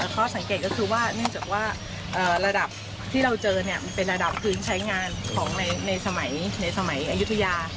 ข้อสังเกตก็คือว่าเนื่องจากว่าระดับที่เราเจอเนี่ยมันเป็นระดับพื้นใช้งานของในสมัยอายุทยา